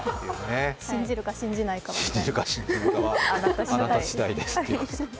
信じるか信じないかはあなた次第ですと。